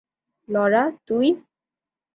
Laura, তুই!